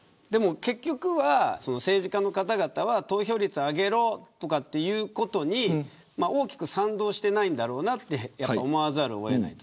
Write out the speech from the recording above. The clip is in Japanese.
結局は、政治家の方々が投票率を上げろとかっていうことに大きく賛同していないんだろうなと思わざるを得ない。